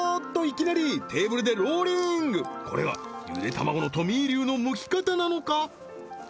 いきなりテーブルでローリングこれがゆで卵のトミー流のむき方なのか？